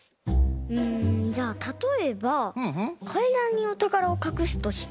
うんじゃあたとえばかいだんにおたからをかくすとして。